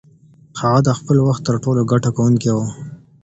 هغه د خپل وخت تر ټولو ګټه کوونکې وه.